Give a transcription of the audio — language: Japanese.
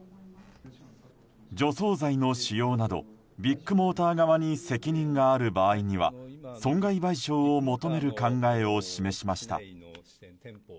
除草剤の使用などビッグモーター側に責任がある場合には損害賠償を求める考えを示しました。